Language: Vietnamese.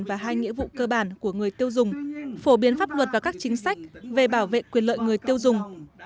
và hai nghĩa vụ cơ bản của người tiêu dùng phổ biến pháp luật và các chính sách về bảo vệ quyền lợi người tiêu dùng